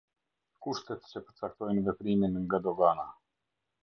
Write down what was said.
Kushtet që përcaktojnë veprimin nga Dogana.